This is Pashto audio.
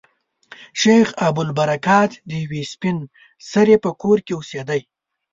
شیخ ابوالبرکات د یوې سپین سري په کور کې اوسېدی.